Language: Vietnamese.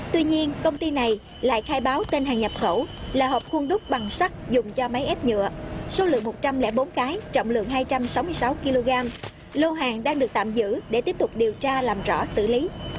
tuy nhiên công ty này lại khai báo tên hàng nhập khẩu là hộp khuôn đúc bằng sắt dùng cho máy ép nhựa số lượng một trăm linh bốn cái trọng lượng hai trăm sáu mươi sáu kg lô hàng đang được tạm giữ để tiếp tục điều tra làm rõ xử lý